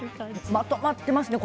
まとまってますね